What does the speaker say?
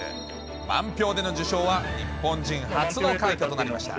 満票での受賞は、日本人初の快挙となりました。